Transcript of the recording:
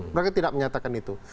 mereka tidak menyatakan itu